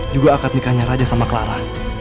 juga akad nikahnya raja sama clara